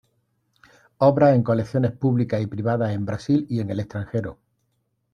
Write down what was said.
Obras en colecciones públicas y privadas en Brasil y en el extranjero.